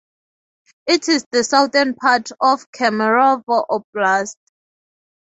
It is the southern part of Kemerovo Oblast.